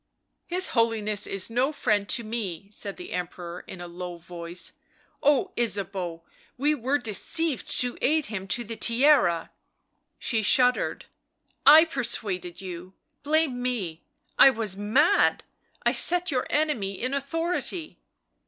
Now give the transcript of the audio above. " His Holiness is no friend to me," said the Emperor in a low voice. " Oh, Ysabeau, we were deceived to aid him to the Tiara." She shuddered. " 1 persuaded you ... blame me ... I was mad. 1 set your enemy in authority."